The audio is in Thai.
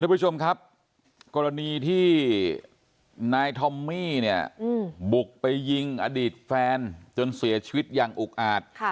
ผู้ชมครับกรณีที่นายทอมมี่เนี่ยบุกไปยิงอดีตแฟนจนเสียชีวิตอย่างอุกอาจ